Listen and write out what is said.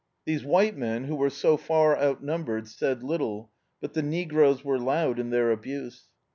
These white men, who were so far outnumbered, said little, but the negroes were loud in their abuse.